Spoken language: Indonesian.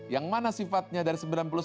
yang mana sifatnya dari sembilan puluh sembilan